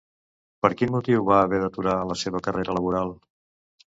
Per quin motiu va haver d'aturar la seva carrera laboral?